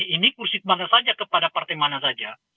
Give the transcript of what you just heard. ini kursi kemana saja kepada partai mana saja